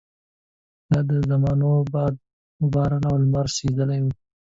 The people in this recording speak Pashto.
دا د زمانو باد وباران او لمر سېزلي وو.